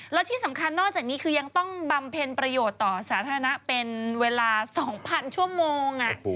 และที่สำคัญนอกจากนี้คือยังต้องบำเพ็ญประโยชน์ต่อสาธารณะเป็นเวลา๒๐๐ชั่วโมง